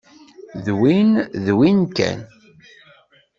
D win d win kan.